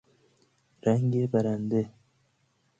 رنگ برنده